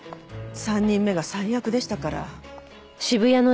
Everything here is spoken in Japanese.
３人目が最悪でしたから。